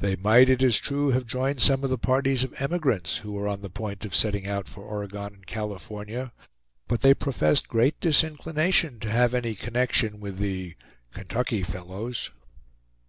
They might, it is true, have joined some of the parties of emigrants who were on the point of setting out for Oregon and California; but they professed great disinclination to have any connection with the "Kentucky fellows."